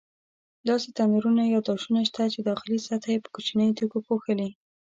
داسې تنورونه یا داشونه شته چې داخلي سطحه یې په کوچنیو تیږو پوښلې.